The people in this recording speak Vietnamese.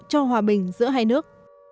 cho hòa bình giữa hai nước